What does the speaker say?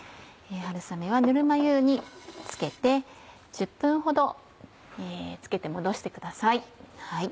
春雨はぬるま湯につけて１０分ほどつけてもどしてください。